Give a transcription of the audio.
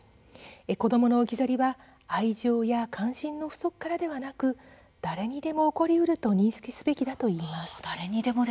子どもの置き去りは愛情や関心の不足からではなく誰にでも起こりうると認識すべきだといいます。